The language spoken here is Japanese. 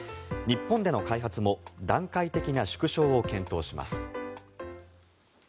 日本での開発も段階的な縮小を検討します。